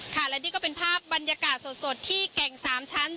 และนี่ก็เป็นภาพบรรยากาศสดที่แก่ง๓ชั้น